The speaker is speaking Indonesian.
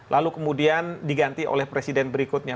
lalu kemudian diganti oleh presiden berikutnya